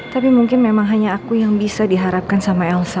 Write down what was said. tapi mungkin memang hanya aku yang bisa diharapkan sama elsa